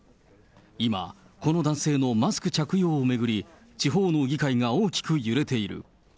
今、この男性のマスク着用を巡り、地方の議会が大きく揺れている。